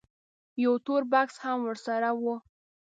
یو تور بکس هم ورسره و.